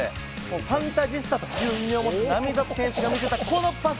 ファンタジスタという異名を持つ並里選手が見せたこのパス。